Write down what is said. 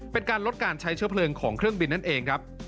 เป็นการลดการใช้เชื้อเพลิงของเครื่องบินนั่นเองครับ